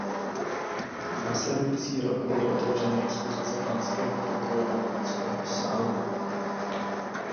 Následující rok byly otevřeny expozice panského pokoje a loveckého sálu.